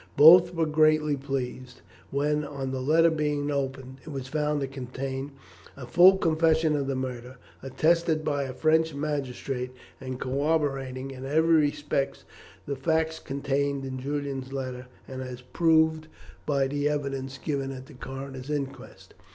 Both were greatly pleased when, on the letter being opened, it was found to contain a full confession of the murder, attested by a French magistrate, and corroborating in every respect the facts contained in Julian's letter, and as proved by the evidence given at the coroner's inquest.